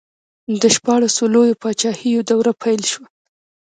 د شپاړسو لویو پاچاهیو دوره پیل شوه.